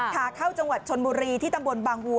ขาเข้าจังหวัดชนบุรีที่ตำบลบางวัว